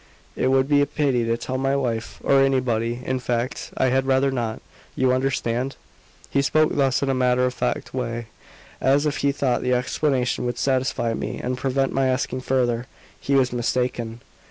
It would be a pity to tell my wife, or anybody; in fact, I had rather not. You understand?" He spoke thus in a matter of fact way, as if he thought the explanation would satisfy me and prevent my asking further. He was mistaken.